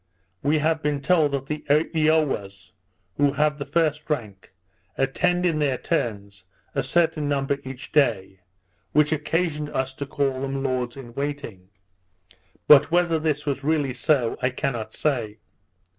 We have been told, that the Eowas, who have the first rank, attend in their turns, a certain number each day, which occasioned us to call them lords in waiting; but whether this was really so, I cannot say.